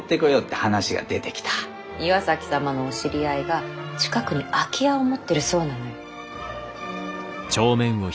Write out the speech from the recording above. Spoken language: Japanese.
岩崎様のお知り合いが近くに空き家を持ってるそうなのよ。